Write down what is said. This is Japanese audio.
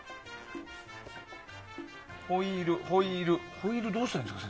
ホイール、ホイールどうしたらいいんですか？